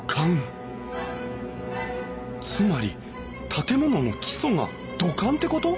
つまり建物の基礎が土管ってこと！？